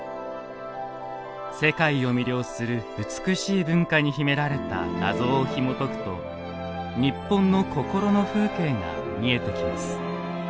世界を魅了する美しい文化に秘められた謎をひもとくと日本の心の風景が見えてきます。